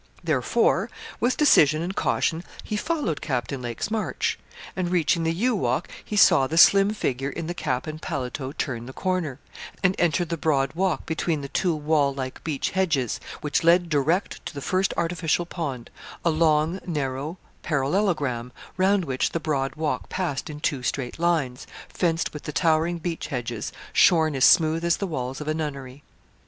Therefore, with decision and caution, he followed Captain Lake's march, and reaching the yew walk, he saw the slim figure in the cap and paletot turn the corner, and enter the broad walk between the two wall like beech hedges, which led direct to the first artificial pond a long, narrow parallelogram, round which the broad walk passed in two straight lines, fenced with the towering beech hedges, shorn as smooth as the walls of a nunnery.